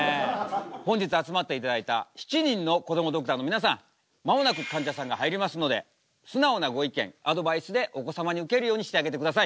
本日集まっていただいた７人のこどもドクターの皆さん間もなくかんじゃさんが入りますので素直なご意見アドバイスでお子様にウケるようにしてあげてください。